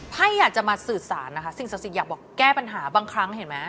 อยากจะมาสื่อสารนะคะสิ่งศักดิ์สิทธิ์อยากบอกแก้ปัญหาบางครั้งเห็นไหม